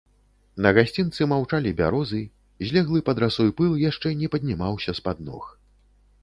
На гасцінцы маўчалі бярозы, злеглы пад расой пыл яшчэ не паднімаўся з-пад ног.